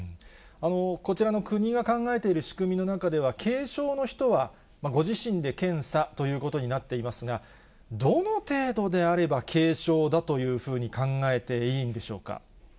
こちらの国が考えている仕組みの中では、軽症の人はご自身で検査ということになっていますが、どの程度であれば軽症だというふうに考えていいんでしょうか。